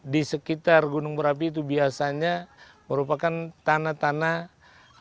di sekitar gunung merapi itu biasanya merupakan tanah tanah